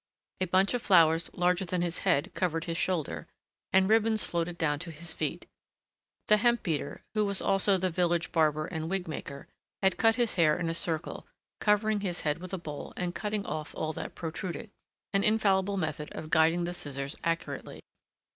A bunch of flowers larger than his head covered his shoulder, and ribbons floated down to his feet. The hemp beater, who was also the village barber and wig maker, had cut his hair in a circle, covering his head with a bowl and cutting off all that protruded, an infallible method of guiding the scissors accurately.